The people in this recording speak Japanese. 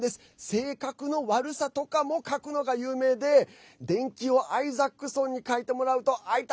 性格の悪さとかも書くのが有名で伝記をアイザックソンに書いてもらうとアイタ！